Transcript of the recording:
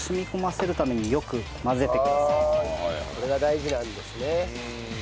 これが大事なんですね。